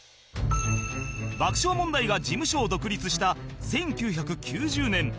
爆笑問題が事務所を独立した１９９０年